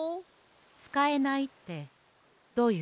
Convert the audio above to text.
つかえないってどういうこと？